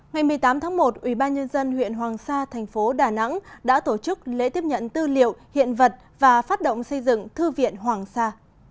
ngày một mươi tám tháng một ubnd huyện hoàng sa thành phố đà nẵng đã tổ chức lễ tiếp nhận tư liệu hiện vật và phát động xây dựng thư viện hoàng sa